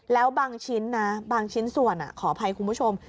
แล้วบางชิ้นนะบางชิ้นส่วนขออภัยคุณผู้ชม